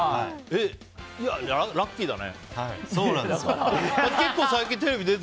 ラッキーだね。